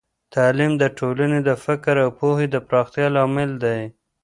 تعليم د ټولنې د فکر او پوهه د پراختیا لامل دی.